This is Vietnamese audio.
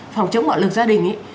phòng chống bạo lực gia đình